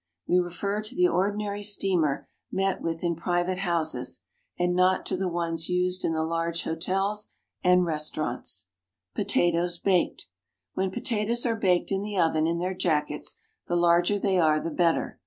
We refer to the ordinary steamer met with in private houses, and not to the ones used in the large hotels and restaurants. POTATOES, BAKED. When potatoes are baked in the oven in their jackets the larger they are the better.